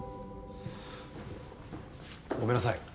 ごめんなさい。